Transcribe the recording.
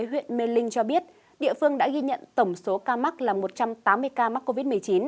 huyện mê linh cho biết địa phương đã ghi nhận tổng số ca mắc là một trăm tám mươi ca mắc covid một mươi chín